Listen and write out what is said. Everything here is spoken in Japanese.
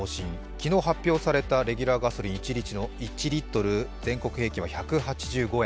昨日発表されたレギュラーガソリン１リットルの全国平均は１８５円。